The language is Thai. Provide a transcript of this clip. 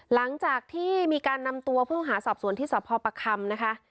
หลังจากที่มีการนำตัวผู้ต้องหาสอบสวนที่สพประคำนะคะ